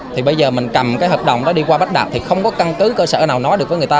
thì bây giờ mình cầm cái hợp đồng đó đi qua bách đạt thì không có căn cứ cơ sở nào nói được với người ta